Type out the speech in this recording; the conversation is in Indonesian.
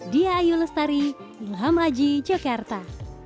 diayu lestari ilham laji jogarta